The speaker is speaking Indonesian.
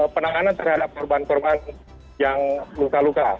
penanganan terhadap korban korban yang luka luka